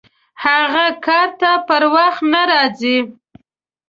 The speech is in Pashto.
هغه کار ته پر وخت نه راځي!